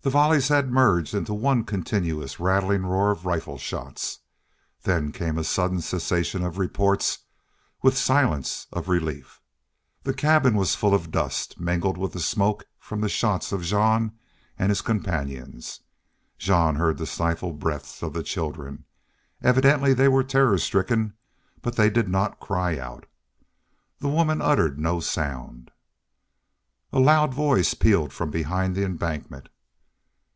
The volleys had merged into one continuous rattling roar of rifle shots. Then came a sudden cessation of reports, with silence of relief. The cabin was full of dust, mingled with the smoke from the shots of Jean and his companions. Jean heard the stifled breaths of the children. Evidently they were terror stricken, but they did not cry out. The women uttered no sound. A loud voice pealed from behind the embankment.